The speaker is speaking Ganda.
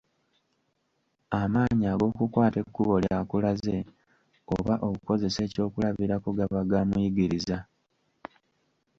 Amaanyi ag'okukwata ekkubo ly'akulaze, oba okukozesa ekyokulabirako gaba ga muyigiriza.